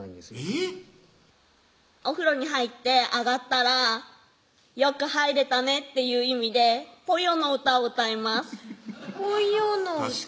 えぇっお風呂に入って上がったらよく入れたねっていう意味でぽよの歌をぽよの歌？